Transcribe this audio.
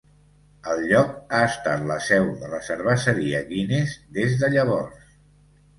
El lloc ha estat la seu de la cerveseria Guinness des de llavors.